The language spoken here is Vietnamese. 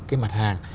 cái mặt hàng